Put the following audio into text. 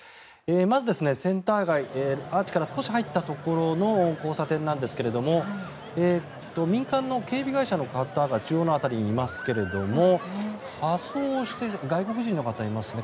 まず、センター街アーチから少し入ったところの交差点なんですが民間の警備会社の方が中央の辺りにいますけれど外国人の方いますね。